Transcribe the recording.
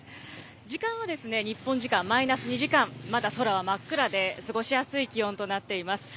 時間は日本時間、マイナス２時間、まだ空は真っ暗で、過ごしやすい気温となっています。